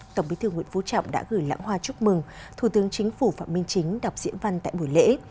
tổng bí thư nguyễn phú trọng đã gửi lãng hoa chúc mừng thủ tướng chính phủ phạm minh chính đọc diễn văn tại buổi lễ